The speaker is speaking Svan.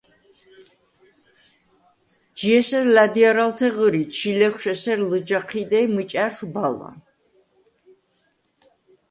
ჯი ესერ ლა̈დჲარალთე ღჷრი, ჩილეღვშ ესერ ლჷჯა ჴიდე ი მჷჭა̈რშვ ბალა.